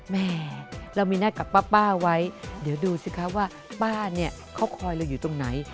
แม่เรามีหน้ากับป้าไว้เดี๋ยวดูสิคะว่าป้าเนี่ยเขาคอยเราอยู่ตรงไหน